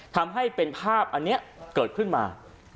ทำให้เป็นภาพอันนี้เกิดขึ้นมา